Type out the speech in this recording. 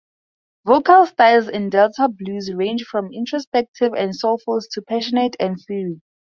Vocal styles in Delta blues range from introspective and soulful to passionate and fiery.